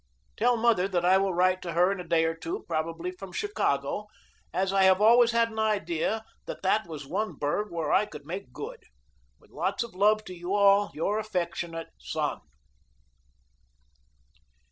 Tell mother that I will write her in a day or two, probably from Chicago, as I have always had an idea that that was one burg where I could make good. With lots of love to you all, Your affectionate SON.